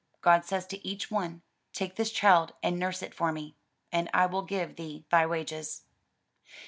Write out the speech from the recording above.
God says to each one, 'Take this child and nurse it for me, and I will give thee thy wages.'"